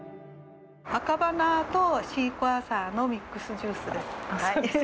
アカバナーとシークワーサーのミックスジュースです。